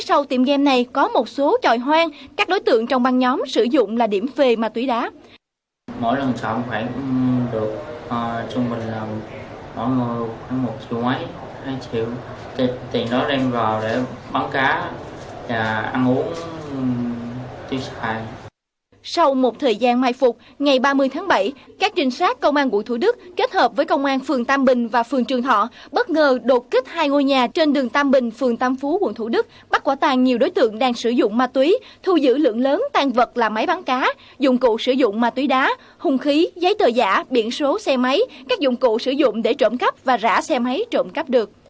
sau một thời gian mai phục ngày ba mươi tháng bảy các trinh sát công an quận thủ đức kết hợp với công an phường tam bình và phường trường thọ bất ngờ đột kích hai ngôi nhà trên đường tam bình phường tam phú quận thủ đức bắt quả tàn nhiều đối tượng đang sử dụng ma túy thu giữ lượng lớn tàn vật là máy bán cá dụng cụ sử dụng ma túy đá hùng khí giấy tờ giả biển số xe máy các dụng cụ sử dụng để trộm cắp và rã xe máy trộm cắp được